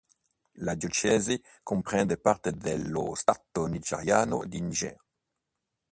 La diocesi comprende parte dello Stato nigeriano di Niger.